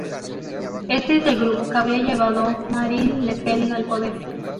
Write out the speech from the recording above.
Este es el grupo que habrá llevado Marine Le Pen al poder.